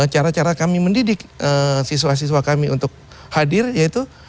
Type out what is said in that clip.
cara cara kami mendidik siswa siswa kami untuk hadir yaitu